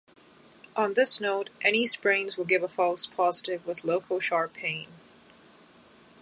On this note, any sprains will give a false positive with local sharp pain.